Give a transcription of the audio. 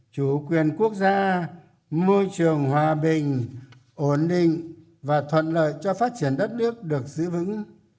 chủ quyền quốc gia môi trường hòa bình ổn định và thuận lợi cho phát triển đất nước được giữ vững